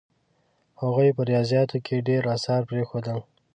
هغوی په ریاضیاتو کې ډېر اثار پرېښودل.